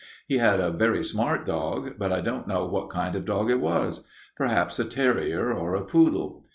He had a very smart dog, but I don't know what kind of dog it was. Perhaps a terrier or a poodle.